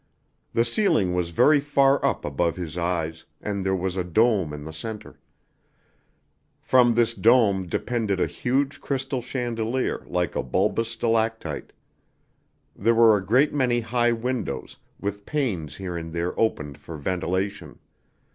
The ceiling was very far up above his eyes, and there was a dome in the center. From this dome depended a huge crystal chandelier like a bulbous stalactite. There were a great many high windows, with panes here and there opened for ventilation.